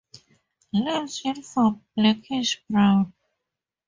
Limbs uniform blackish brown.